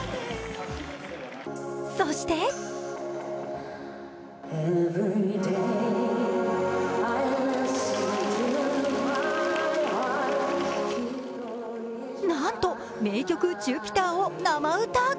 そしてなんと名曲「Ｊｕｐｉｔｅｒ」を生歌。